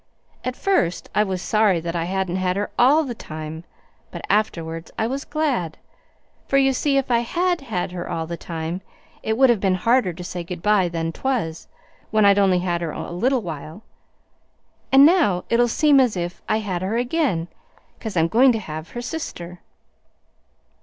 At first I was sorry that I hadn't had her ALL the time, but afterwards I was glad; for you see if I HAD had her all the time, it would have been harder to say good by than 'twas when I'd only had her a little while. And now it'll seem as if I had her again, 'cause I'm going to have her sister."